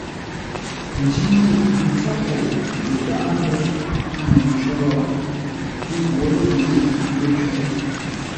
Njino ntsə́ fou kə gháʼa mbə́ ŋuu cǒ, ə́ ngwǒ ləluŋú yé có.